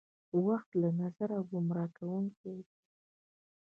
وخت له نظره ګمراه کوونکې ده.